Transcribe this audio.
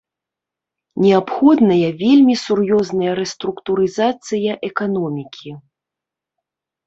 Неабходная вельмі сур'ёзная рэструктурызацыя эканомікі.